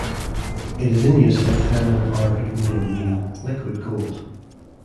It is in use as a feminine Arabic name meaning "liquid gold".